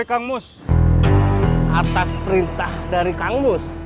atas perintah dari kang mus